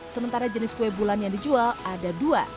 sementara jenis kue bulan yang dijual ada dua